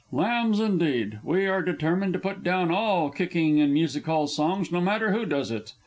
_ Lambs, indeed! We are determined to put down all kicking in Music hall songs, no matter who does it!